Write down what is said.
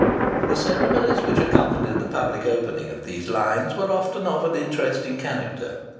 The ceremonies which accompanied the public opening of these lines were often of an interesting character.